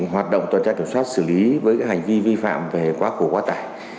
hoạt động tuần tra kiểm soát xử lý với hành vi vi phạm về quá khổ quá tải